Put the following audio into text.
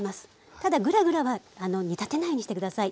ただぐらぐらは煮立てないようにして下さい。